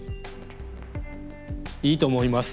いいと思います。